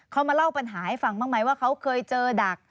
เขามาเล่าปัญหาให้ฟังบ้างไหมว่าเขาเคยเจอดัก